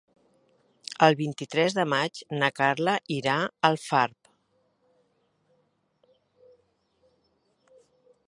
El vint-i-tres de maig na Carla irà a Alfarb.